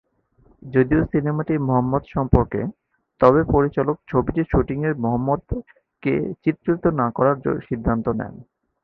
যদিও সিনেমাটি মুহাম্মদ সম্পর্কে, তবে পরিচালক ছবিটির শুটিংয়ের মুহাম্মদ কে চিত্রিত না করার সিদ্ধান্ত নেন।